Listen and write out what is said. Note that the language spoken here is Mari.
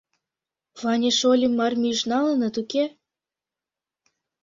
Ваня шольым армийыш налыныт, уке?